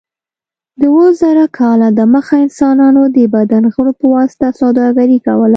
د اوه زره کاله دمخه انسانانو د بدن غړو په واسطه سوداګري کوله.